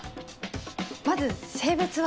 まず性別は。